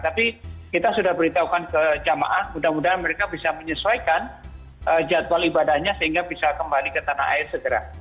tapi kita sudah beritahukan ke jamaah mudah mudahan mereka bisa menyesuaikan jadwal ibadahnya sehingga bisa kembali ke tanah air segera